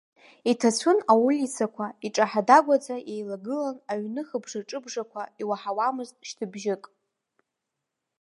Иҭацәын аулицақәа, иҿаҳа-дагәаӡа иеилагылан аҩны хыбжа-ҿыбжақәа, иуаҳауамызт шьҭыбжьык.